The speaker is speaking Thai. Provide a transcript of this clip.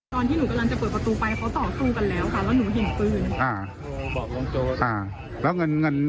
ตอนที่หนูกำลังจะเปิดประตูไปเขาต่อสู้กันแล้วค่ะแล้วหนูเห็นปืน